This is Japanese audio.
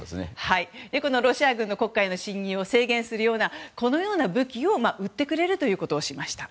ロシア軍の黒海の進入を制限するようなこのような武器を売ってくれるということをしました。